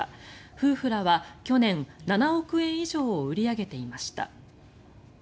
夫婦らは去年７億円以上を売り上げていました。